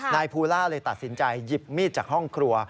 ภูล่าเลยตัดสินใจหยิบมีดจากห้องครัว